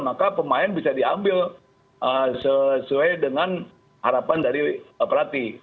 maka pemain bisa diambil sesuai dengan harapan dari pelatih